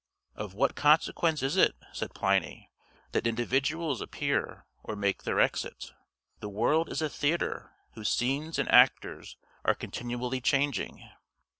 "Of what consequence is it," said Pliny, "that individuals appear, or make their exit? the world is a theater whose scenes and actors are continually changing."